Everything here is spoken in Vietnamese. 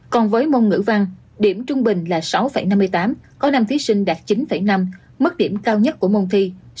còn với môn ngữ văn điểm trung bình là sáu năm mươi tám có năm thí sinh đạt chín năm mức điểm cao nhất của môn thi